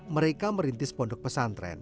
mereka merintis pondok pesantren